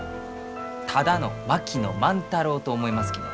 ただの槙野万太郎と思いますきね。